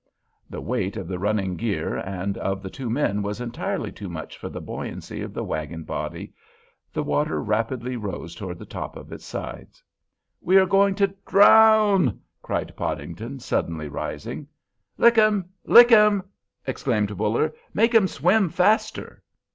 The weight of the running gear and of the two men was entirely too much for the buoyancy of the wagon body. The water rapidly rose toward the top of its sides. "We are going to drown!" cried Podington, suddenly rising. "Lick him! Lick him!" exclaimed Buller. "Make him swim faster!"